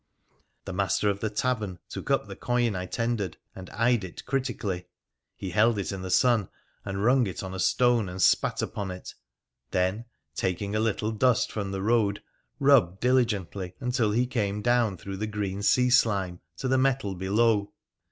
The master of the tavern took up the coin I tendered and eyed it critically. He held it in the sun, and rung it on a stone and spat upon it, then, taking a little dust from the road, rubbed diligently until he came down through the green sea slime to the metal below.